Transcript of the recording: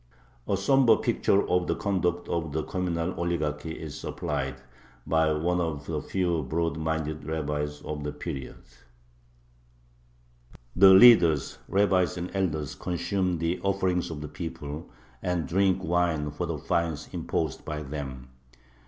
A somber picture of the conduct of the communal oligarchy is supplied by one of the few broad minded rabbis of the period: The leaders [rabbis and elders] consume the offerings of the people, and drink wine for the fines imposed by them.